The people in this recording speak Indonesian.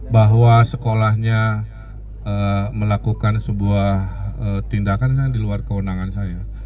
bahwa sekolahnya melakukan sebuah tindakan diluar kewenangan saya